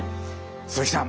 鈴木さん